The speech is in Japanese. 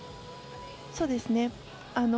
そうですね。